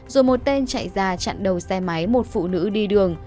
rồi một tên chạy ra chặn đầu xe máy một phụ nữ đi đường